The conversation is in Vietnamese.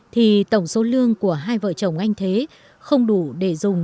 thì tổng số lương của hai vợ chồng anh thế không đủ để dùng